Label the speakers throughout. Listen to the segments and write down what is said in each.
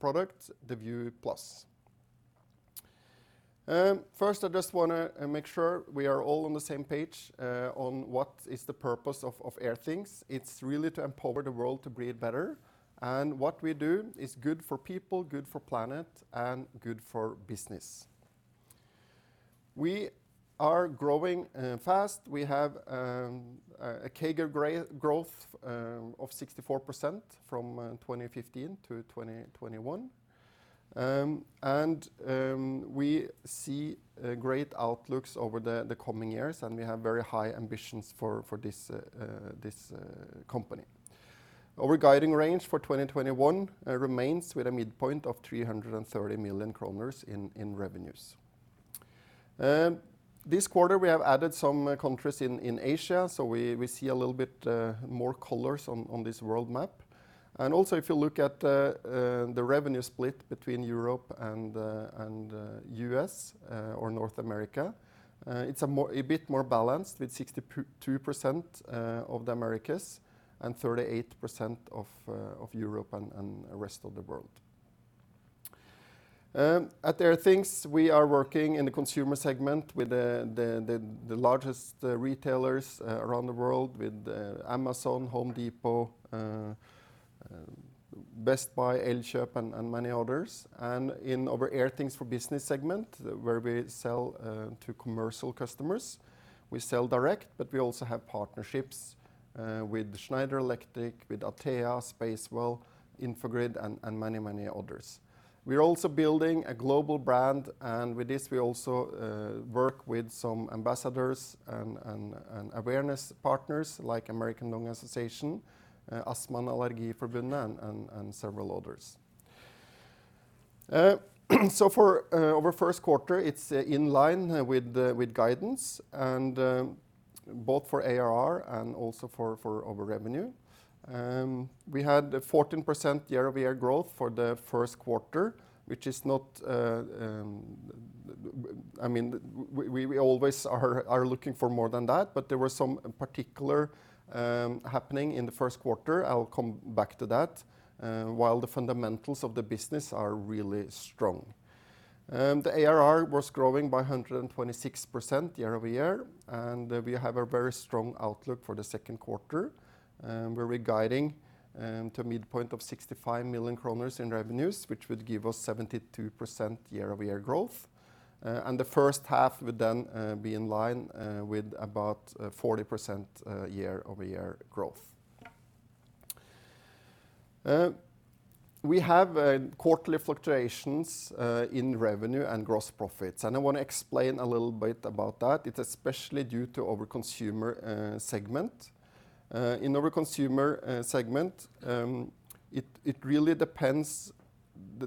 Speaker 1: Product, the View Plus. I just want to make sure we are all on the same page on what is the purpose of Airthings. It's really to empower the world to breathe better. What we do is good for people, good for planet, and good for business. We are growing fast. We have a CAGR growth of 64% from 2015-2021. We see great outlooks over the coming years, and we have very high ambitions for this company. Our guiding range for 2021 remains with a midpoint of 330 million kroner in revenues. This quarter, we have added some countries in Asia, we see a little bit more colors on this world map. Also if you look at the revenue split between Europe and U.S. or North America, it's a bit more balanced, with 62% of the Americas and 38% of Europe and rest of the world. At Airthings, we are working in the consumer segment with the largest retailers around the world, with Amazon, The Home Depot, Best Buy, Elkjøp, and many others. In our Airthings for Business segment, where we sell to commercial customers, we sell direct, but we also have partnerships with Schneider Electric, with Atea, Spacewell, Infogrid, and many others. We're also building a global brand, and with this we also work with some ambassadors and awareness partners like American Lung Association, Astma- og Allergiforbundet, and several others. For our first quarter, it's in line with guidance and both for ARR and also for our revenue. We had 14% year-over-year growth for the first quarter. We always are looking for more than that, there were some particular happening in the first quarter. I'll come back to that, while the fundamentals of the business are really strong. The ARR was growing by 126% year-over-year, and we have a very strong outlook for the second quarter, where we're guiding to a midpoint of 65 million kroner in revenues, which would give us 72% year-over-year growth. The first half would then be in line with about 40% year-over-year growth. We have quarterly fluctuations in revenue and gross profits, and I want to explain a little bit about that. It's especially due to our consumer segment. In our consumer segment, the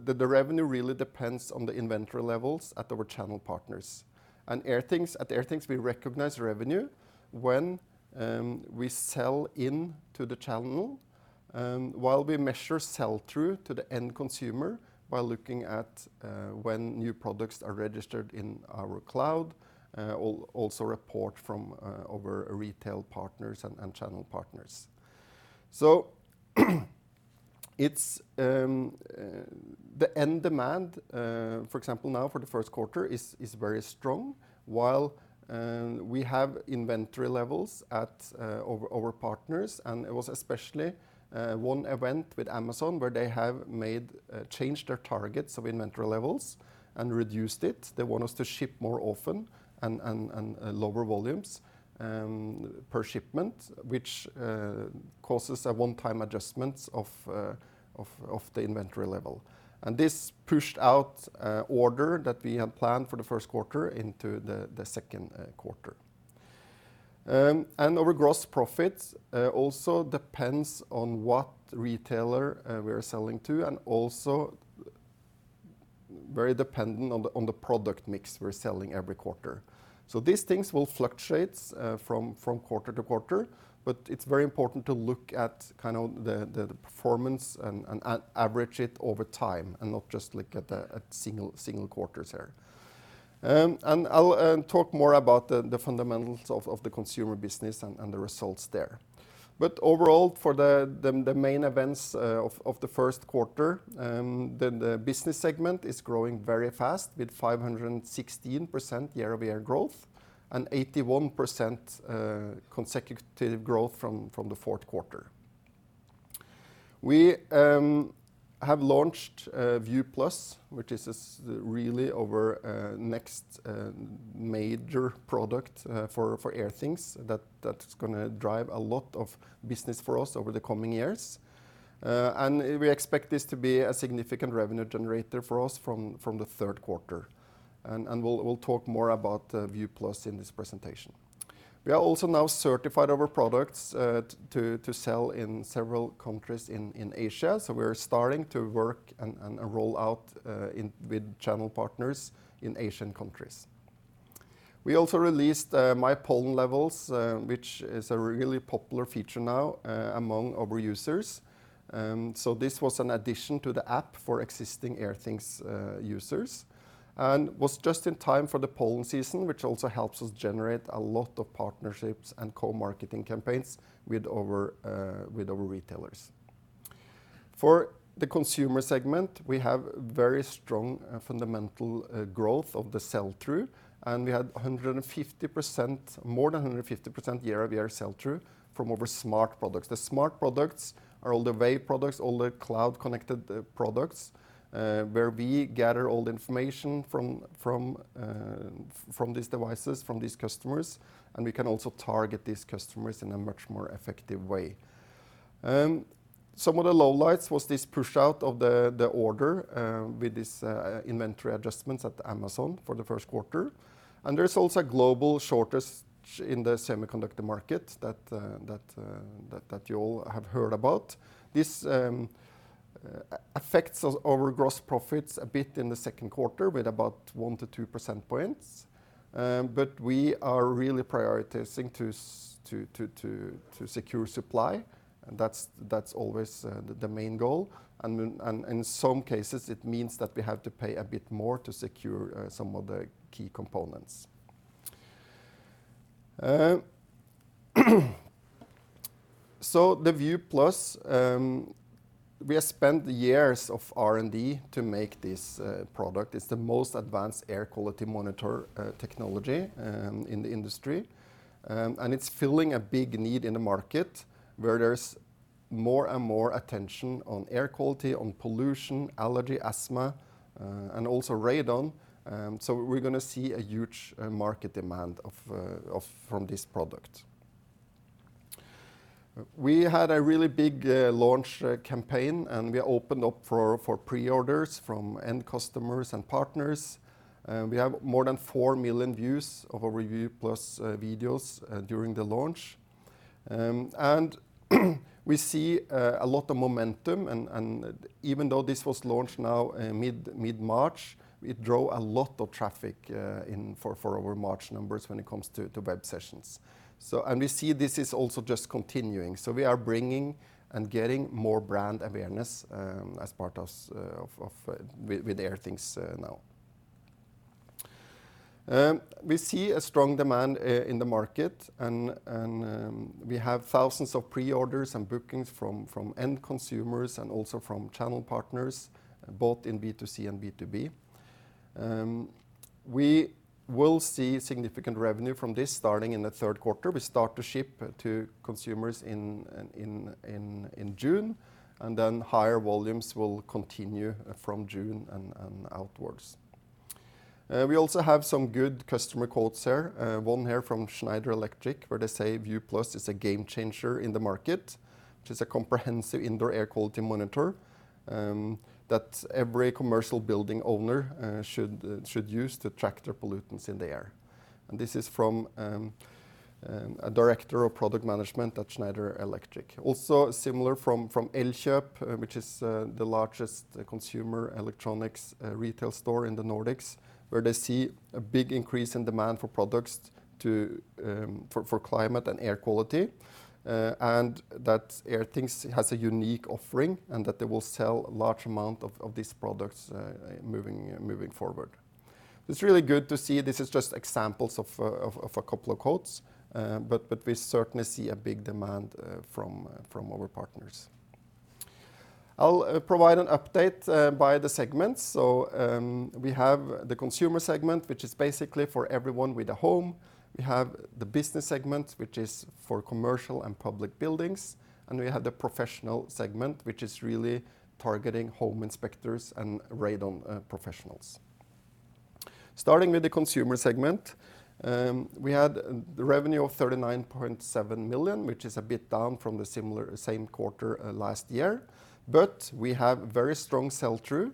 Speaker 1: revenue really depends on the inventory levels at our channel partners. At Airthings, we recognize revenue when we sell into the channel, while we measure sell-through to the end consumer by looking at when new products are registered in our cloud, also report from our retail partners and channel partners. The end demand, for example, now for the first quarter, is very strong, while we have inventory levels at our partners and it was especially one event with Amazon where they have changed their targets of inventory levels and reduced it. They want us to ship more often and lower volumes per shipment, which causes a one-time adjustment of the inventory level. This pushed out order that we had planned for the first quarter into the second quarter. Our gross profits also depends on what retailer we are selling to and also very dependent on the product mix we're selling every quarter. These things will fluctuate from quarter-to-quarter, but it is very important to look at the performance and average it over time and not just look at single quarters there. I'll talk more about the fundamentals of the consumer business and the results there. Overall, for the main events of the first quarter, the business segment is growing very fast with 516% year-over-year growth and 81% consecutive growth from the fourth quarter. We have launched View Plus, which is really our next major product for Airthings that is going to drive a lot of business for us over the coming years. We expect this to be a significant revenue generator for us from the third quarter. We'll talk more about View Plus in this presentation. We are also now certified our products to sell in several countries in Asia. We are starting to work and roll out with channel partners in Asian countries. We also released My Pollen Levels, which is a really popular feature now among our users. This was an addition to the app for existing Airthings users and was just in time for the pollen season, which also helps us generate a lot of partnerships and co-marketing campaigns with our retailers. For the consumer segment, we have very strong fundamental growth of the sell-through, and we had more than 150% year-over-year sell-through from our smart products. The smart products are all the Wave products, all the cloud-connected products, where we gather all the information from these devices, from these customers, and we can also target these customers in a much more effective way. Some of the lowlights was this push out of the order with these inventory adjustments at Amazon for the first quarter. There is also a global shortage in the semiconductor market that you all have heard about. This affects our gross profits a bit in the second quarter with about 1% to 2 points. We are really prioritizing to secure supply, and that's always the main goal. In some cases, it means that we have to pay a bit more to secure some of the key components. The View Plus, we have spent years of R&D to make this product. It's the most advanced air quality monitor technology in the industry, and it's filling a big need in the market where there's more and more attention on air quality, on pollution, allergy, asthma, and also radon. We're going to see a huge market demand from this product. We had a really big launch campaign, and we opened up for pre-orders from end customers and partners. We have more than 4 million views of our View Plus videos during the launch. We see a lot of momentum, and even though this was launched now mid-March, it drove a lot of traffic for our March numbers when it comes to web sessions. We see this is also just continuing. We are bringing and getting more brand awareness with Airthings now. We see a strong demand in the market and we have thousands of pre-orders and bookings from end consumers and also from channel partners, both in B2C and B2B. We will see significant revenue from this starting in the third quarter. We start to ship to consumers in June, and then higher volumes will continue from June and outwards. We also have some good customer quotes here. One here from Schneider Electric where they say, View Plus is a game changer in the market, which is a comprehensive indoor air quality monitor that every commercial building owner should use to track their pollutants in the air. This is from a director of product management at Schneider Electric. Also similar from Elkjøp, which is the largest consumer electronics retail store in the Nordics, where they see a big increase in demand for products for climate and air quality, and that Airthings has a unique offering and that they will sell large amount of these products moving forward. It's really good to see. This is just examples of a couple of quotes, we certainly see a big demand from our partners. I'll provide an update by the segments. We have the consumer segment, which is basically for everyone with a home. We have the business segment, which is for commercial and public buildings. We have the professional segment, which is really targeting home inspectors and radon professionals. Starting with the consumer segment, we had the revenue of 39.7 million, which is a bit down from the same quarter last year. We have very strong sell-through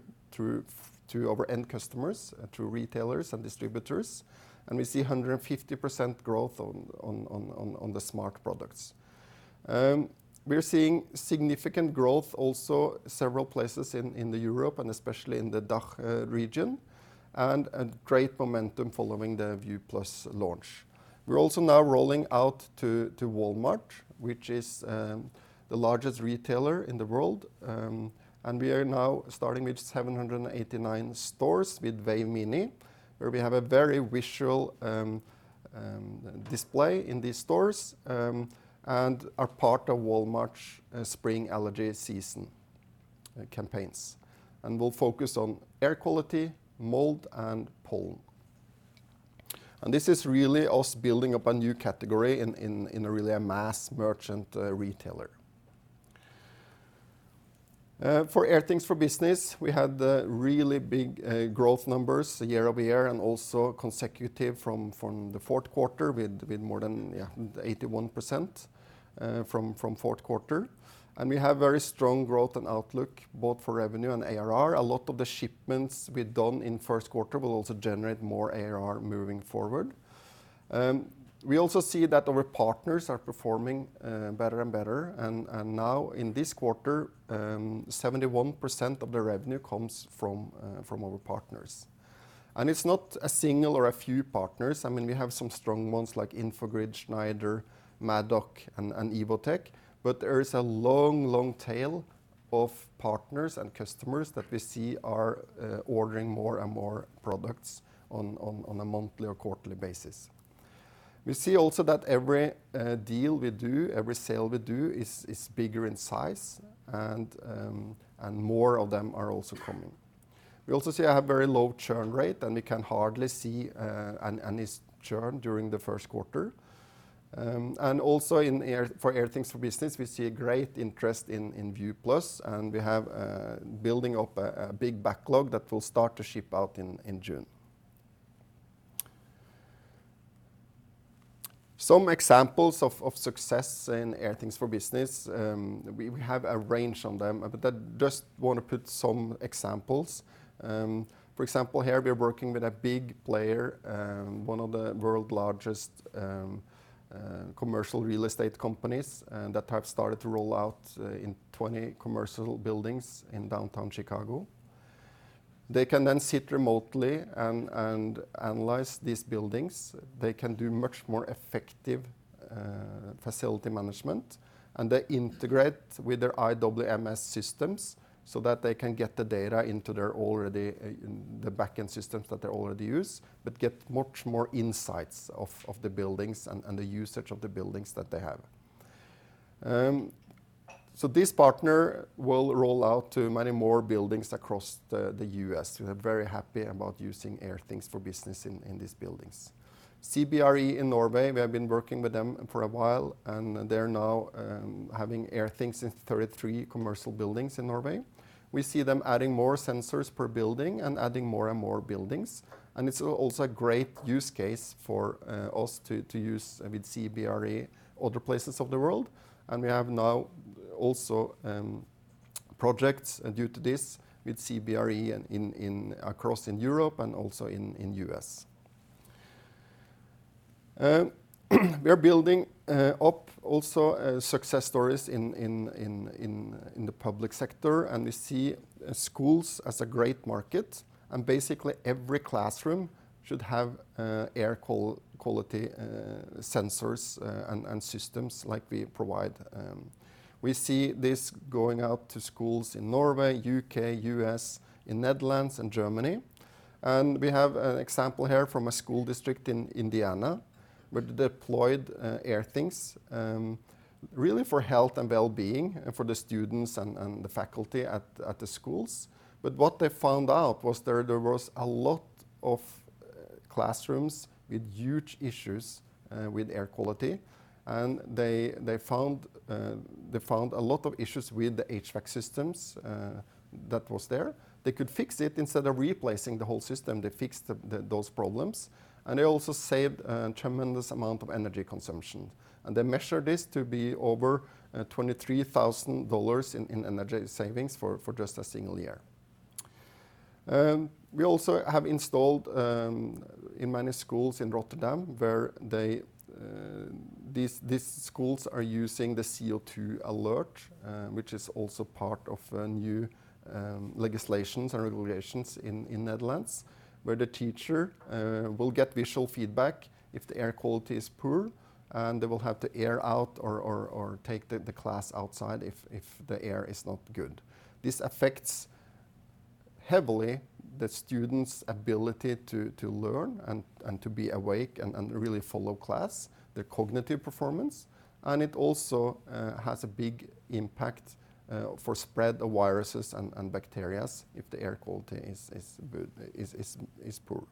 Speaker 1: to our end customers, to retailers and distributors, and we see 150% growth on the smart products. We're seeing significant growth also several places in Europe and especially in the DACH region and great momentum following the View Plus launch. We're also now rolling out to Walmart, which is the largest retailer in the world. We are now starting with 789 stores with Wave Mini, where we have a very visual display in these stores and are part of Walmart's spring allergy season campaigns. We'll focus on air quality, mold, and pollen. This is really us building up a new category in really a mass merchant retailer. For Airthings for Business, we had really big growth numbers year-over-year and also consecutive from the fourth quarter with more than 81% from fourth quarter. We have very strong growth and outlook both for revenue and ARR. A lot of the shipments we've done in first quarter will also generate more ARR moving forward. We also see that our partners are performing better and better. Now in this quarter, 71% of the revenue comes from our partners. It's not a single or a few partners. We have some strong ones like Infogrid, Schneider, Maddock, and Evotech, but there is a long, long tail of partners and customers that we see are ordering more and more products on a monthly or quarterly basis. We see also that every deal we do, every sale we do, is bigger in size and more of them are also coming. We also see a very low churn rate, and we can hardly see any churn during the first quarter. Also for Airthings for Business, we see a great interest in View Plus, and we have building up a big backlog that will start to ship out in June. Some examples of success in Airthings for Business. We have a range of them, but I just want to put some examples. For example, here we're working with a big player, one of the world's largest commercial real estate companies, and that have started to roll out in 20 commercial buildings in downtown Chicago. They can then sit remotely and analyze these buildings. They can do much more effective facility management, and they integrate with their IWMS systems so that they can get the data into their back-end systems that they already use, but get much more insights of the buildings and the usage of the buildings that they have. This partner will roll out to many more buildings across the U.S., who are very happy about using Airthings for Business in these buildings. CBRE in Norway, we have been working with them for a while, and they're now having Airthings in 33 commercial buildings in Norway. We see them adding more sensors per building and adding more and more buildings. It's also a great use case for us to use with CBRE other places of the world. We have now also projects due to this with CBRE across in Europe and also in the U.S. We are building up also success stories in the public sector, and we see schools as a great market, and basically every classroom should have air quality sensors and systems like we provide. We see this going out to schools in Norway, U.K., U.S., in Netherlands and Germany. We have an example here from a school district in Indiana, where they deployed Airthings, really for health and well-being for the students and the faculty at the schools. What they found out was there was a lot of classrooms with huge issues with air quality. They found a lot of issues with the HVAC systems that was there. They could fix it instead of replacing the whole system, they fixed those problems, and they also saved a tremendous amount of energy consumption. They measured this to be over $23,000 in energy savings for just a single year. We also have installed in many schools in Rotterdam, where these schools are using the CO2 alert, which is also part of new legislations and regulations in Netherlands, where the teacher will get visual feedback if the air quality is poor, and they will have to air out or take the class outside if the air is not good. This affects heavily the students' ability to learn and to be awake and really follow class, their cognitive performance. It also has a big impact for spread of viruses and bacteria if the air quality is poor.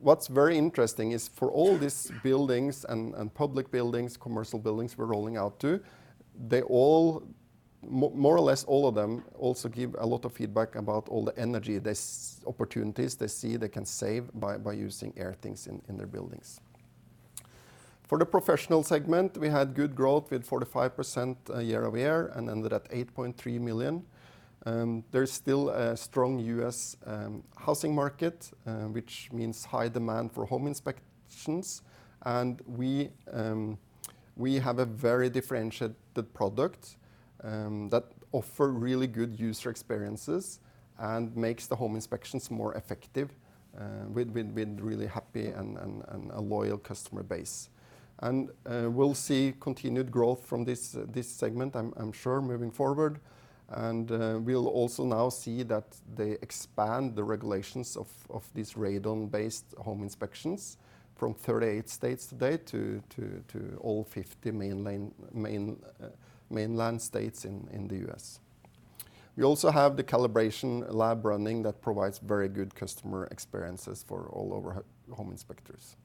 Speaker 1: What's very interesting is for all these buildings and public buildings, commercial buildings we're rolling out to, more or less all of them also give a lot of feedback about all the energy opportunities they see they can save by using Airthings in their buildings. For the professional segment, we had good growth with 45% year-over-year and ended at 8.3 million. There's still a strong U.S. housing market, which means high demand for home inspections. We have a very differentiated product that offer really good user experiences and makes the home inspections more effective with really happy and a loyal customer base. We'll see continued growth from this segment, I'm sure, moving forward. We'll also now see that they expand the regulations of these radon-based home inspections from 38 states today to all 50 mainland states in the U.S. We also have the calibration lab running that provides very good customer experiences for all of our home inspectors.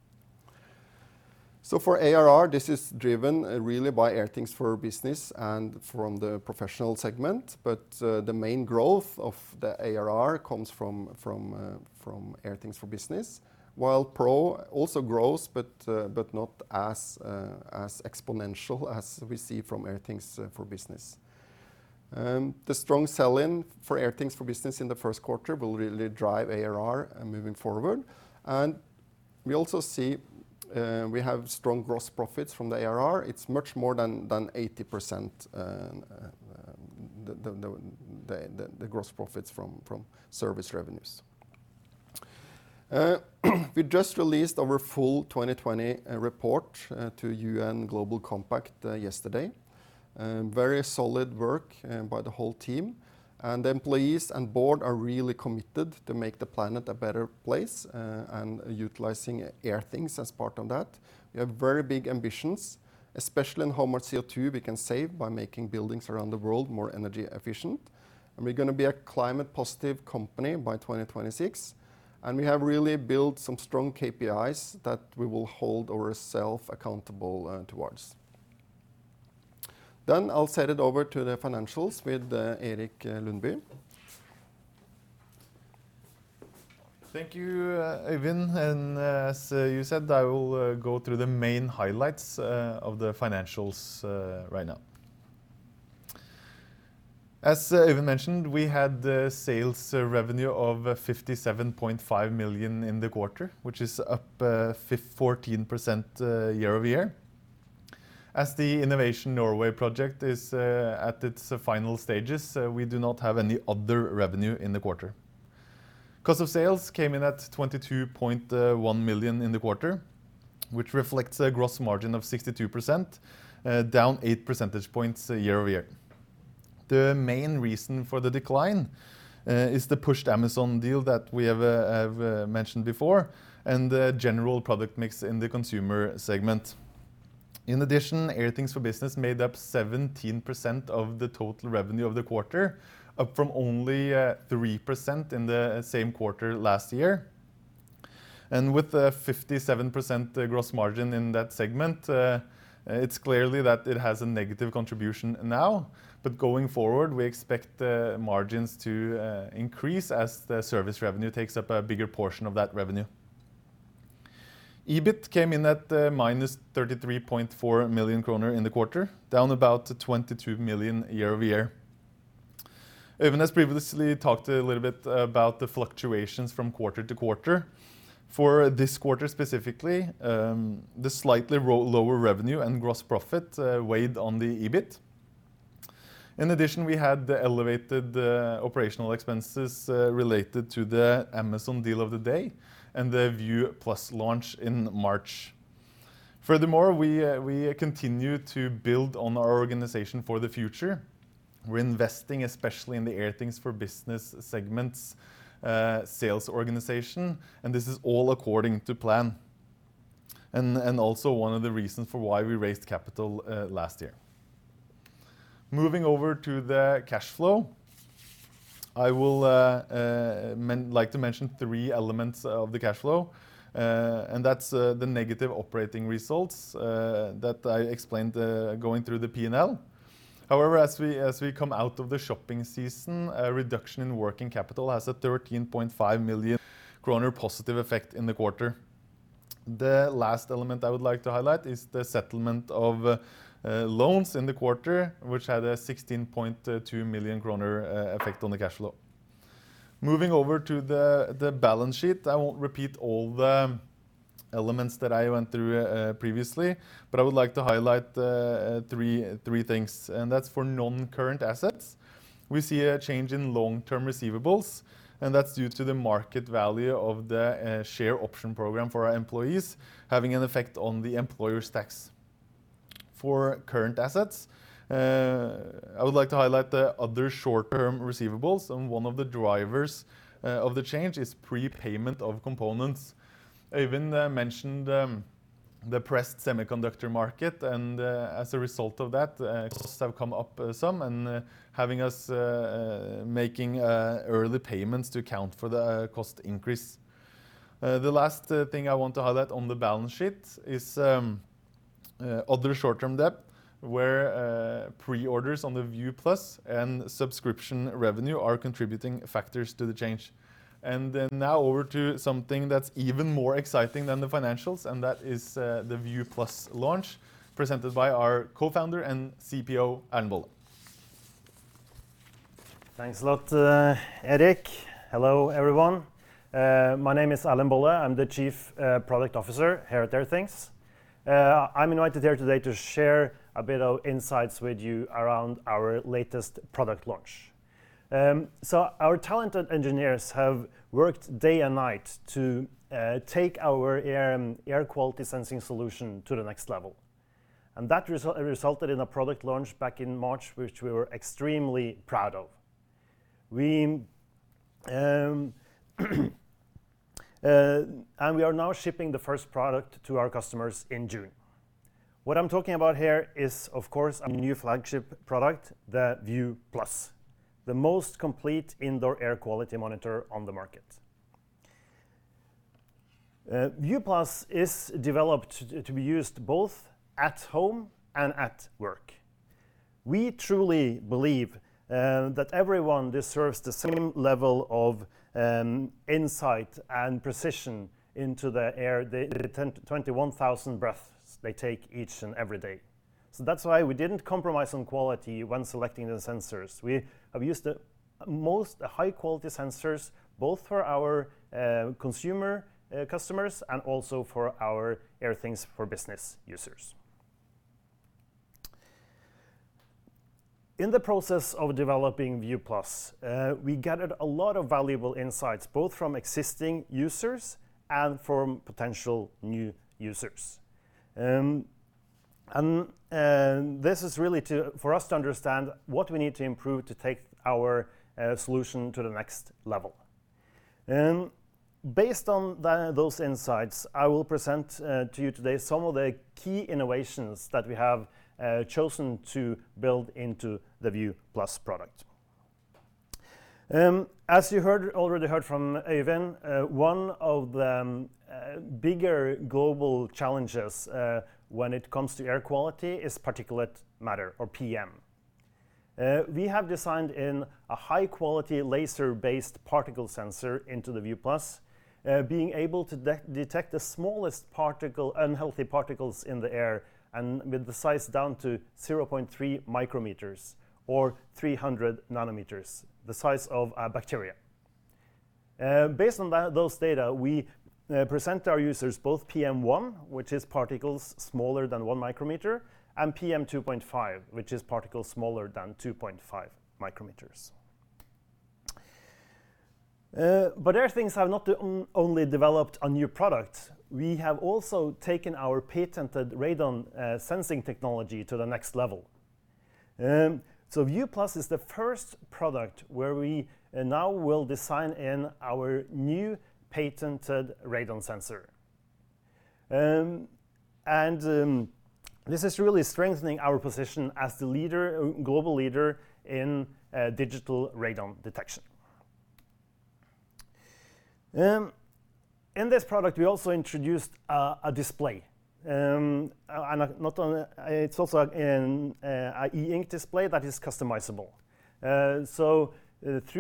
Speaker 1: For ARR, this is driven really by Airthings for Business and from the professional segment. The main growth of the ARR comes from Airthings for Business, while Pro also grows, but not as exponential as we see from Airthings for Business. The strong sell-in for Airthings for Business in the first quarter will really drive ARR moving forward. We also see we have strong gross profits from the ARR. It's much more than 80% the gross profits from service revenues. We just released our full 2020 report to UN Global Compact yesterday. Very solid work by the whole team, and the employees and board are really committed to make the planet a better place, and utilizing Airthings as part of that. We have very big ambitions, especially in how much CO2 we can save by making buildings around the world more energy efficient. We're going to be a climate positive company by 2026, and we have really built some strong KPIs that we will hold ourself accountable towards. I'll send it over to the financials with Erik Lundby.
Speaker 2: Thank you, Øyvind. As you said, I will go through the main highlights of the financials right now. As Øyvind mentioned, we had the sales revenue of 57.5 million in the quarter, which is up 14% year-over-year. As the Innovation Norway project is at its final stages, we do not have any other revenue in the quarter. Cost of sales came in at 22.1 million in the quarter, which reflects a gross margin of 62%, down 8 percentage points year-over-year. The main reason for the decline is the pushed Amazon deal that we have mentioned before, and the general product mix in the consumer segment. In addition, Airthings for Business made up 17% of the total revenue of the quarter, up from only 3% in the same quarter last year. With a 57% gross margin in that segment, it's clearly that it has a negative contribution now, but going forward, we expect the margins to increase as the service revenue takes up a bigger portion of that revenue. EBIT came in at the -33.4 million kroner in the quarter, down about 22 million year-over-year. Øyvind has previously talked a little bit about the fluctuations from quarter-to-quarter. For this quarter specifically, the slightly lower revenue and gross profit weighed on the EBIT. In addition, we had the elevated operational expenses related to the Amazon deal of the day and the View Plus launch in March. Furthermore, we continue to build on our organization for the future. We're investing especially in the Airthings for Business segments sales organization. This is all according to plan, and also one of the reasons for why we raised capital last year. Moving over to the cash flow. I will like to mention three elements of the cash flow, and that's the negative operating results that I explained going through the P&L. However, as we come out of the shopping season, a reduction in working capital has a 13.5 million kroner positive effect in the quarter. The last element I would like to highlight is the settlement of loans in the quarter, which had a 16.2 million kroner effect on the cash flow. Moving over to the balance sheet, I won't repeat all the elements that I went through previously, but I would like to highlight three things, and that's for non-current assets. We see a change in long-term receivables, and that's due to the market value of the share option program for our employees having an effect on the employer's tax. For current assets, I would like to highlight the other short-term receivables, and one of the drivers of the change is prepayment of components. Øyvind mentioned the pressed semiconductor market and, as a result of that, costs have come up some and having us making early payments to account for the cost increase. The last thing I want to highlight on the balance sheet is other short-term debt, where pre-orders on the View Plus and subscription revenue are contributing factors to the change. Then now over to something that's even more exciting than the financials, and that is the View Plus launch, presented by our Co-Founder and CPO, Erlend Bolle.
Speaker 3: Thanks a lot, Erik. Hello, everyone. My name is Erlend Bolle. I'm the Chief Product Officer here at Airthings. I'm invited here today to share a bit of insights with you around our latest product launch. Our talented engineers have worked day and night to take our air quality sensing solution to the next level, and that resulted in a product launch back in March, which we were extremely proud of. We are now shipping the first product to our customers in June. What I'm talking about here is, of course, a new flagship product, the View Plus, the most complete indoor air quality monitor on the market. View Plus is developed to be used both at home and at work. We truly believe that everyone deserves the same level of insight and precision into the air, the 21,000 breaths they take each and every day. that's why we didn't compromise on quality when selecting the sensors. We have used the most high-quality sensors, both for our consumer customers and also for our Airthings for Business users. In the process of developing View Plus, we gathered a lot of valuable insights, both from existing users and from potential new users. This is really for us to understand what we need to improve to take our solution to the next level. Based on those insights, I will present to you today some of the key innovations that we have chosen to build into the View Plus product. As you already heard from Øyvind, one of the bigger global challenges when it comes to air quality is particulate matter, or PM. We have designed in a high-quality laser-based particle sensor into the View Plus, being able to detect the smallest unhealthy particles in the air, and with the size down to 0.3 µm or 300 nm, the size of a bacteria. Based on that data, we present our users both PM1.0, which is particles smaller than 1 µm, and PM2.5, which is particles smaller than 2.5 µm. Airthings have not only developed a new product, we have also taken our patented radon sensing technology to the next level. View Plus is the first product where we now will design in our new patented radon sensor. This is really strengthening our position as the global leader in digital radon detection. In this product, we also introduced a display. It's also an E Ink display that is customizable. Through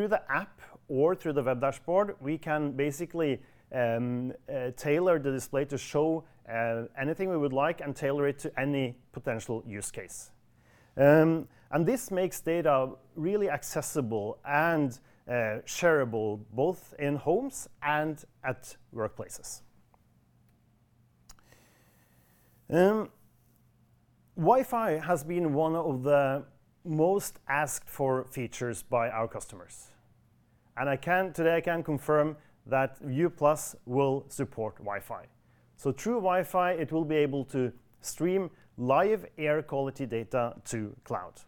Speaker 3: the app or through the web dashboard, we can basically tailor the display to show anything we would like and tailor it to any potential use case. This makes data really accessible and shareable both in homes and at workplaces. Wi-Fi has been one of the most asked for features by our customers, and today I can confirm that View Plus will support Wi-Fi. Through Wi-Fi, it will be able to stream live air quality data to cloud.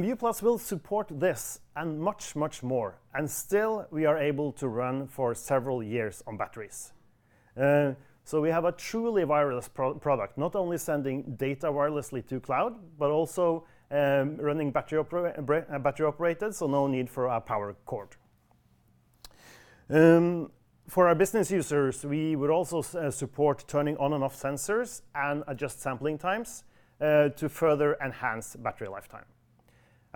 Speaker 3: View Plus will support this and much more, and still we are able to run for several years on batteries. We have a truly wireless product, not only sending data wirelessly to cloud, but also running battery operated, so no need for a power cord. For our business users, we would also support turning on and off sensors and adjust sampling times to further enhance battery lifetime.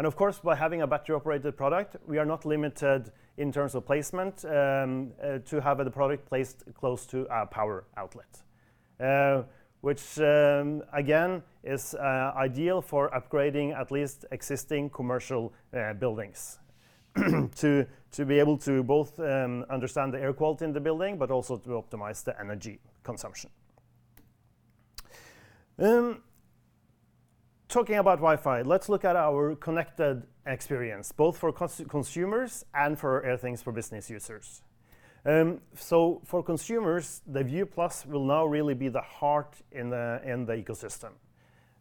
Speaker 3: Of course, by having a battery-operated product, we are not limited in terms of placement to have the product placed close to a power outlet, which again, is ideal for upgrading at least existing commercial buildings to be able to both understand the air quality in the building but also to optimize the energy consumption. Talking about Wi-Fi, let's look at our connected experience, both for consumers and for Airthings for Business users. For consumers, the View Plus will now really be the heart in the ecosystem.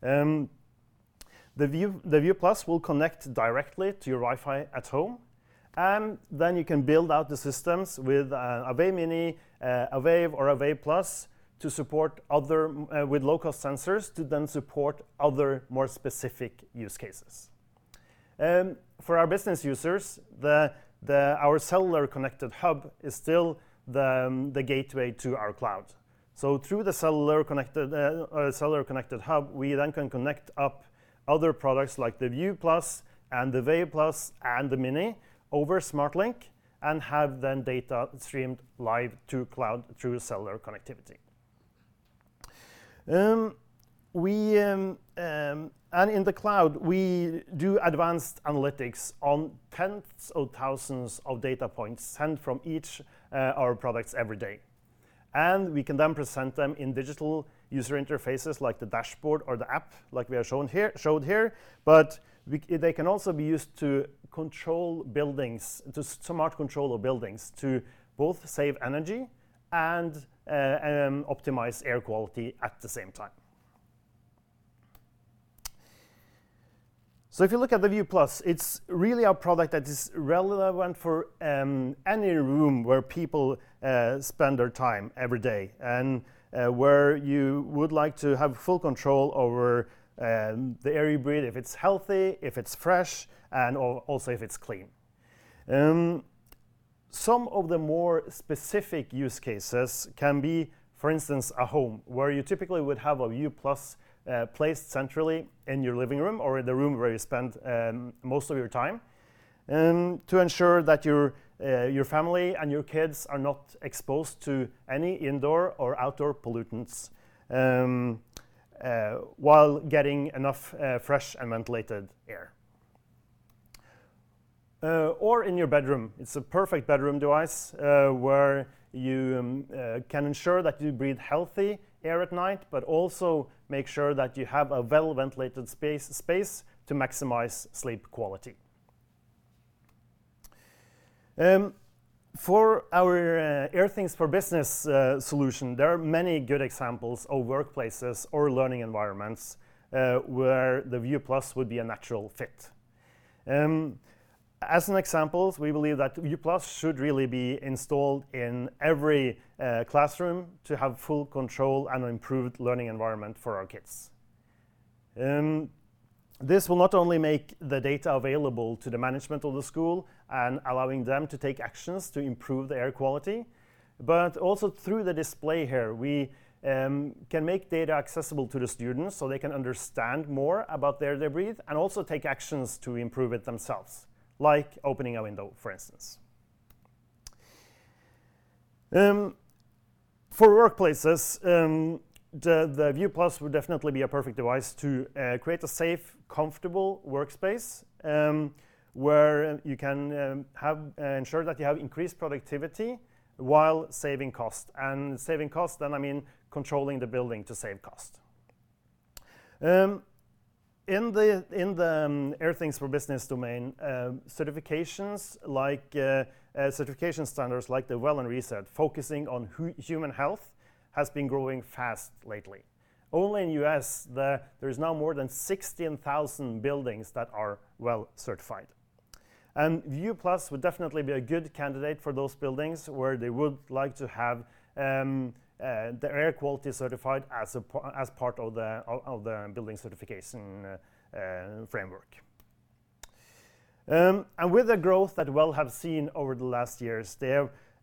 Speaker 3: The View Plus will connect directly to your Wi-Fi at home, then you can build out the systems with a Wave Mini, a Wave, or a Wave Plus with local sensors to then support other more specific use cases. For our business users, our cellular connected Hub is still the gateway to our cloud. Through the cellular connected Hub, we then can connect up other products like the View Plus and the Wave Plus and the Mini over SmartLink and have then data streamed live to cloud through cellular connectivity. In the cloud, we do advanced analytics on tens of thousands of data points sent from each our products every day. We can then present them in digital user interfaces like the dashboard or the app like we are shown here, but they can also be used to smart control our buildings to both save energy and optimize air quality at the same time. If you look at the View Plus, it's really a product that is relevant for any room where people spend their time every day and where you would like to have full control over the air you breathe, if it's healthy, if it's fresh, and also if it's clean. Some of the more specific use cases can be, for instance, a home where you typically would have a View Plus placed centrally in your living room or in the room where you spend most of your time to ensure that your family and your kids are not exposed to any indoor or outdoor pollutants while getting enough fresh and ventilated air. Or in your bedroom. It's a perfect bedroom device where you can ensure that you breathe healthy air at night, but also make sure that you have a well-ventilated space to maximize sleep quality. For our Airthings for Business solution, there are many good examples of workplaces or learning environments where the View Plus would be a natural fit. As an example, we believe that View Plus should really be installed in every classroom to have full control and improved learning environment for our kids. This will not only make the data available to the management of the school and allowing them to take actions to improve the air quality, but also through the display here, we can make data accessible to the students so they can understand more about the air they breathe and also take actions to improve it themselves, like opening a window, for instance. For workplaces, the View Plus would definitely be a perfect device to create a safe, comfortable workspace where you can ensure that you have increased productivity while saving cost. Saving cost, then I mean controlling the building to save cost. In the Airthings for Business domain, certification standards like the WELL and RESET, focusing on human health, has been growing fast lately. Only in the U.S., there is now more than 16,000 buildings that are WELL certified. View Plus would definitely be a good candidate for those buildings where they would like to have their air quality certified as part of the building certification framework. With the growth that WELL have seen over the last years, they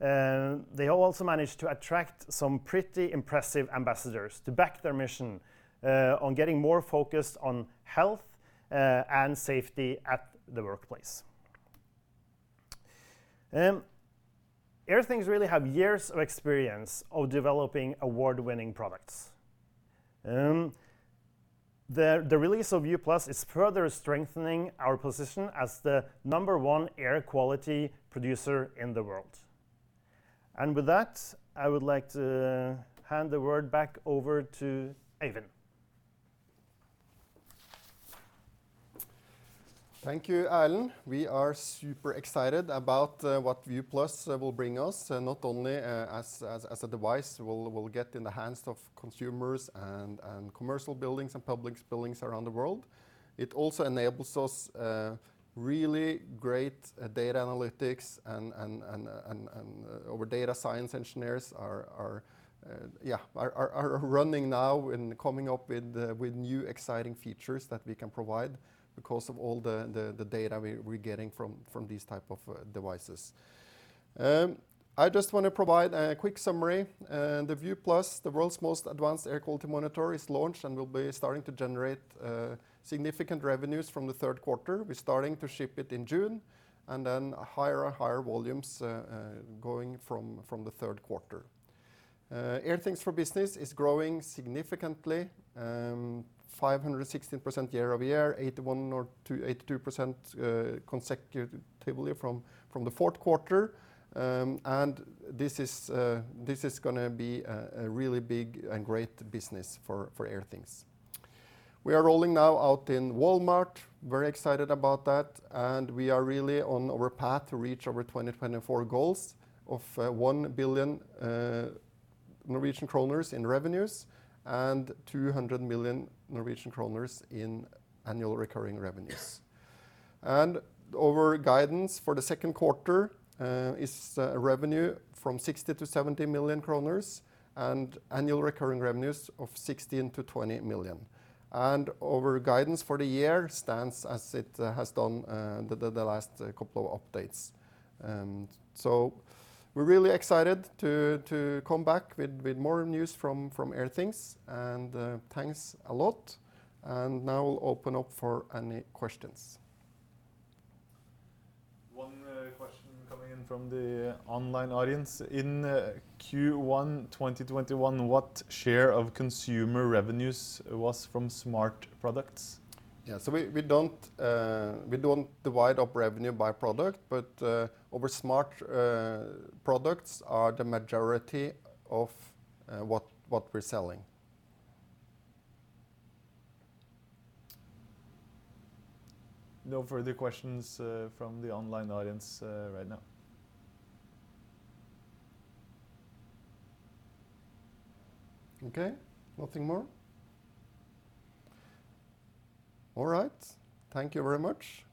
Speaker 3: have also managed to attract some pretty impressive ambassadors to back their mission on getting more focused on health and safety at the workplace. Airthings really have years of experience of developing award-winning products. The release of View Plus is further strengthening our position as the number one air quality producer in the world. With that, I would like to hand the word back over to Øyvind.
Speaker 1: Thank you, Erlend. We are super excited about what View Plus will bring us, not only as a device we'll get in the hands of consumers and commercial buildings and public buildings around the world. It also enables us really great data analytics and our data science engineers are running now and coming up with new, exciting features that we can provide because of all the data we're getting from these type of devices. I just want to provide a quick summary. The View Plus, the world's most advanced air quality monitor, is launched and will be starting to generate significant revenues from the third quarter. We're starting to ship it in June, and then higher volumes going from the third quarter. Airthings for Business is growing significantly, 516% year-over-year, 81% or 82% consecutively from the fourth quarter. This is going to be a really big and great business for Airthings. We are rolling now out in Walmart, very excited about that. We are really on our path to reach our 2024 goals of 1 billion Norwegian kroner in revenues and 200 million Norwegian kroner in annual recurring revenues. Our guidance for the second quarter is revenue from 60 million-70 million kroner and annual recurring revenues of 16 million-20 million. Our guidance for the year stands as it has done the last couple of updates. We're really excited to come back with more news from Airthings. Thanks a lot. Now we'll open up for any questions.
Speaker 2: One question coming in from the online audience. In Q1 2021, what share of consumer revenues was from smart products?
Speaker 1: Yeah, we don't divide up revenue by product, but our smart products are the majority of what we're selling.
Speaker 2: No further questions from the online audience right now.
Speaker 1: Okay. Nothing more? All right. Thank you very much.